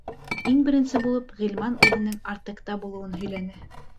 Иң беренсе булып Ғилман үҙенең «Артек»та булыуын һөйләне.